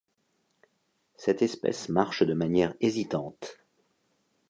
Cette espèce marche de manière hésitante.